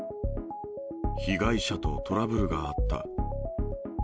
被害者とトラブルがあった。